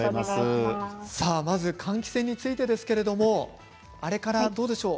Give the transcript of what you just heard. まず換気扇についてですけれどもあれから、どうでしょう？